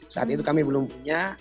saat itu kami belum punya